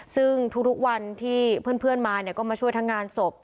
ซึ่งทุกวันที่เพื่อนมาก็มาช่วยทั้งงานศพ